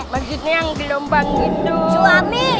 manjingnya yang di lombang gitu wami